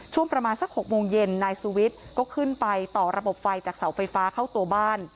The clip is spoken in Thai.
ช่วงประมาณสัก๖โมงเย็นนายสุวิทย์ก็ขึ้นไปต่อระบบไฟจากเสาไฟฟ้าเข้าตัวบ้าน